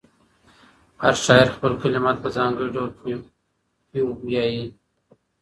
هر شاعر خپل کلمات په ځانګړي ډول پیوياي.